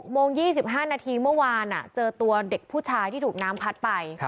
โมง๒๕นาทีเมื่อวานเจอตัวเด็กผู้ชายที่ถูกน้ำพัดไป